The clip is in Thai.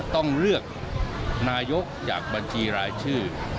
ต้องเลือกนายกจากบัญชีรายชื่อ